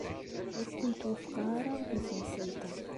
Ur kent-wufqeɣ ara di temsalt-a.